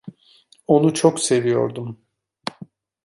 Onu çok seviyordum.